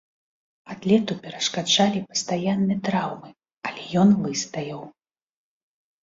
Атлету перашкаджалі пастаянны траўмы, але ён выстаяў.